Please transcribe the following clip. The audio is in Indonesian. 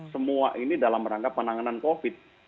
semua ini dalam rangka penanganan covid sembilan belas